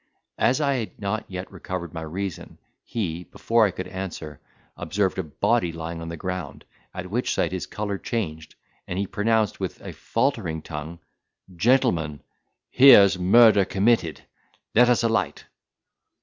As I had not yet recovered my reason, he, before I could answer, observed a body lying on the ground, at which sight his colour changed, and he pronounced, with a faltering tongue, "Gentlemen, here's murder committed! Let us alight."